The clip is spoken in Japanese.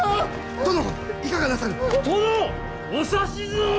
殿お指図を！